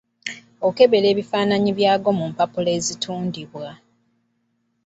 Okebera ebifaananyi byago mu mpapula eziraga ebitundibwa.